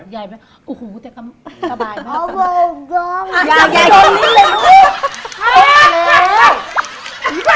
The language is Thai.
อย่าโดนลิ้นเลย